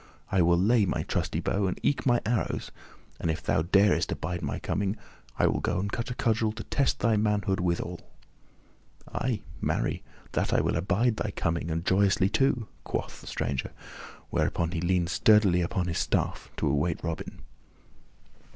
I will lay by my trusty bow and eke my arrows, and if thou darest abide my coming, I will go and cut a cudgel to test thy manhood withal." "Ay, marry, that will I abide thy coming, and joyously, too," quoth the stranger; whereupon he leaned sturdily upon his staff to await Robin.